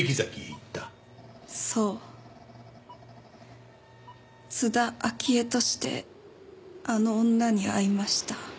そう津田明江としてあの女に会いました。